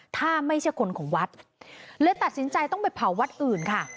ถ้าไม่ใช่คนของวัดเลยตัดสินใจต้องไปเผาวัดอื่นค่ะ